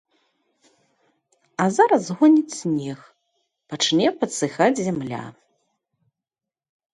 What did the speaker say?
А зараз згоніць снег, пачне падсыхаць зямля.